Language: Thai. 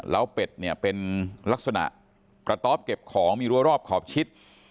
แล้วเป็ดเนี่ยเป็นลักษณะกระต๊อบเก็บของมีรัวรอบขอบชิด